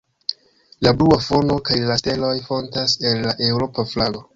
La blua fono kaj la steloj fontas el la Eŭropa flago.